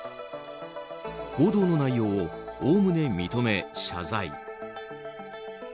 報道の内容をおおむね認め謝罪。